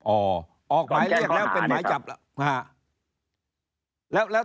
อ๋อออกหมายเรียกแล้วเป็นหมายจับ